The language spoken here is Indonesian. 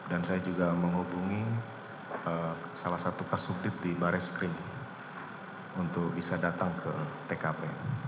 dan saya juga menghubungi salah satu kasus di barreskrim untuk bisa datang ke tkp